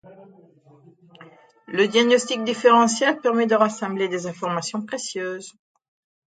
Le diagnostic différentiel permet de rassembler des informations précieuses.